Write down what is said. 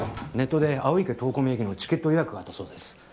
ネットでアオイケトウコ名義のチケット予約があったそうです